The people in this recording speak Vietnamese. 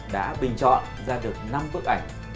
đã bình chọn ra được năm bức ảnh